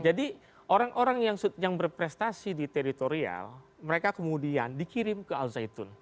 jadi orang orang yang berprestasi di teritorial mereka kemudian dikirim ke al zaitun